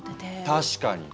確かに！